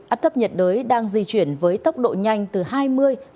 áp thấp nhiệt đới đang di chuyển với tốc độ nhanh từ hai mươi